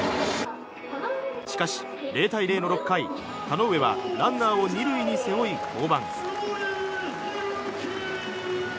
しかし、０対０の６回、田上はランナーを２塁に背負い降板。